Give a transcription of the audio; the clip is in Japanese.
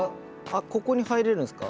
ここに入れるんすか。